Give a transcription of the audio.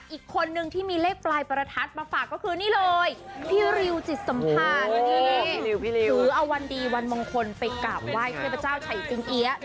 อีกคนนึงที่มีเลขปลายประทัดมาฝากก็คือนี่เลยพี่ริวจิตสัมภาษณ์